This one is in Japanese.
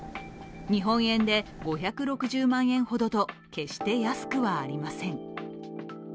日本円で５６０万円ほどと決して安くはありません。